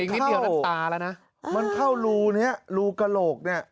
มันเข้ามันเข้ารูเนี่ยรูกระโหลกเนี่ย